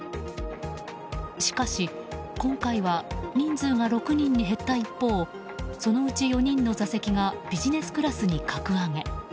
しかし、今回は人数が６人に減った一方そのうち４人の座席がビジネスクラスに格上げ。